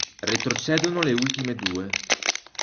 Retrocedono le ultime due.